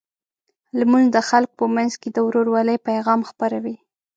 لمونځ د خلکو په منځ کې د ورورولۍ پیغام خپروي.